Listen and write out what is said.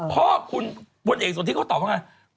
พ่อคุณบนเอกสนทิเขาตอบมาอะไร